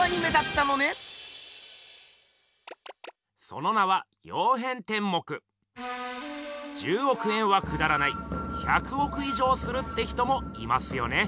その名は１０億円はくだらない１００億以上するって人もいますよね。